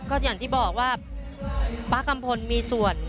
ก็อย่างที่บอกว่าป๊ากัมพลมีสวด